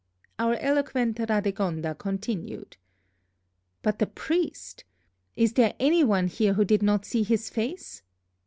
Our eloquent Radegonda continued: "But the priest! Is there any one here who did not see his face?